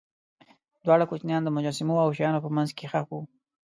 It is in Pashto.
دواړه کوچنیان د مجسمو او شیانو په منځ کې ښخ وو.